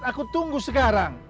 aku tunggu sekarang